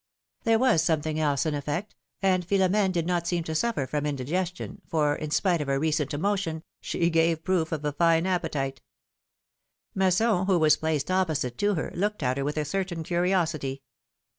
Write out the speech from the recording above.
There was something else, in effect, and Philom5ne did not seem to suffer from indigestion, for, in spite of her recent emotion, she gave proof of a fine appetite. Masson, who was placed opposite to her, looked at her with a certain curiosity.